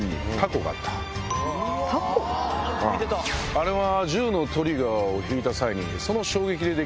あれは。